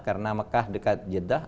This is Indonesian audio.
karena mekah dekat jeddah